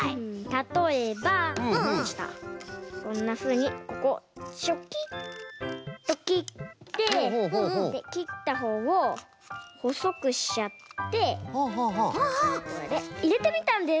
たとえばこんなふうにここチョキッときってできったほうをほそくしちゃってこれでいれてみたんです。